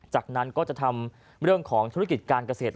จากนั้นก็จะทำเรื่องของธุรกิจการเกษตร